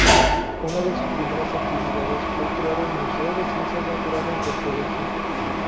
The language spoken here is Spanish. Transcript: Una de sus primeras actividades fue crear el Museo de Ciencias Naturales del Colegio.